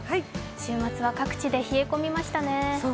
週末は各地で冷え込みましたね。